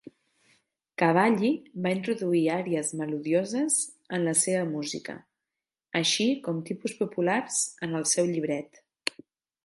Cavalli va introduir àries melodioses en la seva música, així com tipus populars en el seu llibret.